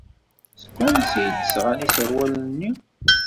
Seg wansi ay d-sɣan iserwalen-nni?